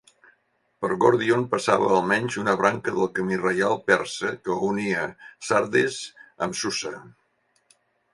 Per Gòrdion passava almenys una branca del camí reial persa que unia Sardes amb Susa.